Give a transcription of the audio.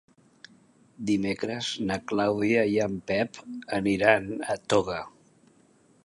Dimecres na Clàudia i en Pep aniran a Toga.